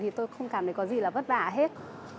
thì tôi không cảm thấy có gì là vất vả hết